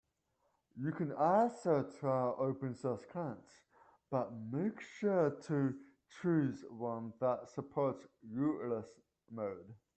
You can also try open source clients, but make sure to choose one that supports rootless mode.